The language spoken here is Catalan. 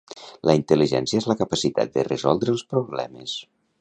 La intel•ligència és la capacitat de resoldre els problemes